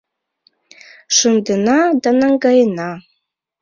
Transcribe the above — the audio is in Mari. Шындена да наҥгаена.